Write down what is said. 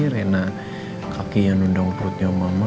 reina kaki yang undang perutnya mama